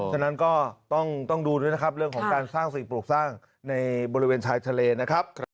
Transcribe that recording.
ฉะนั้นก็ต้องดูด้วยนะครับเรื่องของการสร้างสิ่งปลูกสร้างในบริเวณชายทะเลนะครับ